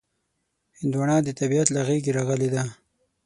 هندوانه د طبیعت له غېږې راغلې ده.